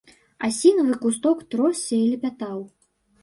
Асінавы кусток тросся і лепятаў.